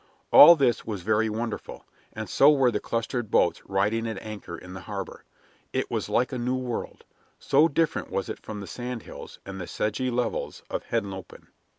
All this was very wonderful, and so were the clustered boats riding at anchor in the harbor. It was like a new world, so different was it from the sand hills and the sedgy levels of Henlopen.